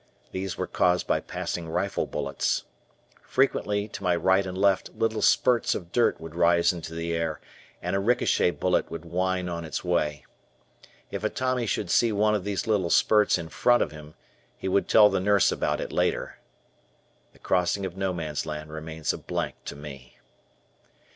These were caused by passing rifle bullets. Frequently, to my right and left, little spurts of dirt would rise into the air, and a ricochet bullet would whine on its way. If a Tommy should see one of these little spurts in front of him, he would tell the nurse about it later. The crossing of No Man's Land remains a blank to me.